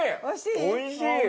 おいしい？